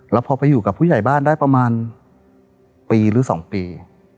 แล้วพอไปอยู่กับผู้ใหญ่บ้านได้ประมาณปีหรือ๒ปี